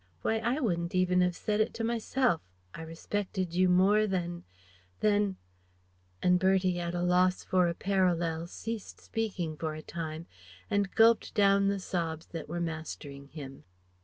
Why I wouldn't even 'av said it to myself I respected you more than than " And Bertie, at a loss for a parallel, ceased speaking for a time, and gulped down the sobs that were mastering him.